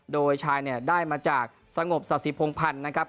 โดยชายได้มาจากสงบศาสิพงภัณฑ์นะครับ